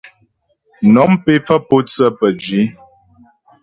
Nɔ̀m pé pfə́ pǒtsə pə́jwǐ.